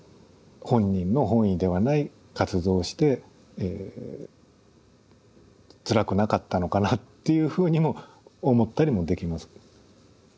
本人の本意ではない活動をしてつらくなかったのかなっていうふうにも思ったりもできます。